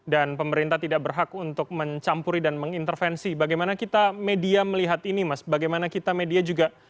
dan pemerintah tidak berhak untuk mencampuri dan mengintervensi bagaimana kita media melihat ini mas bagaimana kita media juga